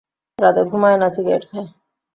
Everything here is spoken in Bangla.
রাতে ঘুমায় না, সিগারেট খায়।